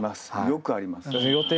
よくあります。